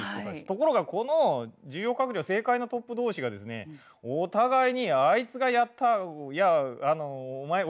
ところがこの重要閣僚政界のトップ同士がですねお互いに「あいつがやった」。「俺じゃない」というふうに。